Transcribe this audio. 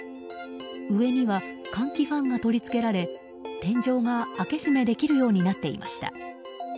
上には換気ファンが取り付けられ天井が開け閉めできるようになっていました。